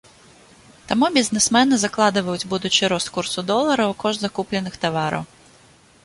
Таму бізнэсмэны закладваюць будучы рост курсу долара ў кошт закупленых тавараў.